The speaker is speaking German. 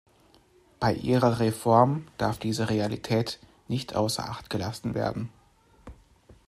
Bei ihrer Reform darf diese Realität nicht außer Acht gelassen werden.